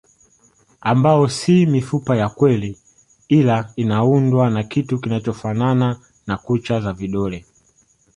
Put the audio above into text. Ambao si mifupa ya kweli ila inaundwa na kitu kinachofanana na kucha za vidole